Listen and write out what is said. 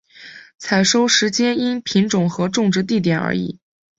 采收时间因品种和种植地点而异。